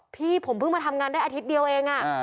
พี่ผมเพิ่งมาทำงานได้อาทิตย์เดียวเอง